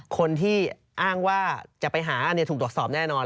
คนที่อ้างว่าจะไปหาอันนี้ถูกตรวจสอบแน่นอน